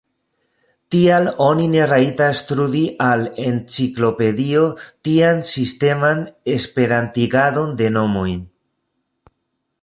Tial oni ne rajtas trudi al enciklopedio tian sisteman esperantigadon de nomoj.